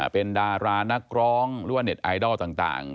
เป็นดารานักร้องหรือว่าเน็ตไอดอลต่าง